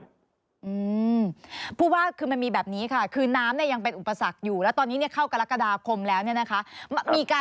อืมผู้ว่าคือมันมีแบบนี้ค่ะคือน้ำเนี่ยยังเป็นอุปสรรคอยู่แล้วตอนนี้เนี่ยเข้ากรกฎาคมแล้วเนี่ยนะคะ